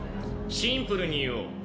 シンプルに言おう。